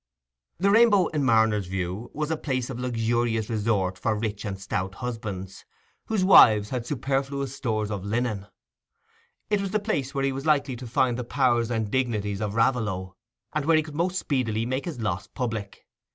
The Rainbow, in Marner's view, was a place of luxurious resort for rich and stout husbands, whose wives had superfluous stores of linen; it was the place where he was likely to find the powers and dignities of Raveloe, and where he could most speedily make his loss public.